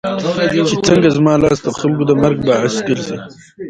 چې څنګه زما لاس دخلکو د مرګ باعث ګرځي